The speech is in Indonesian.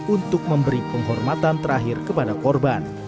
untuk memberi penghormatan terakhir kepada korban